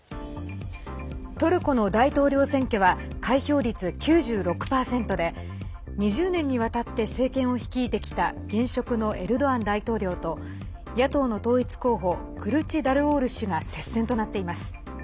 トルコの大統領選挙は開票率９６％で２０年にわたって政権を率いてきた現職のエルドアン大統領と野党の統一候補クルチダルオール氏が接戦となっています。